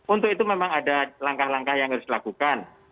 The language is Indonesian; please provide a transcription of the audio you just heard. untuk itu memang ada langkah langkah yang harus dilakukan